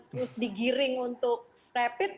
terus digiring untuk rapid